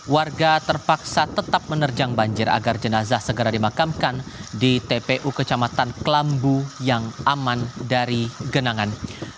warga terpaksa tetap menerjang banjir agar jenazah segera dimakamkan di tpu kecamatan kelambu yang aman dari genangan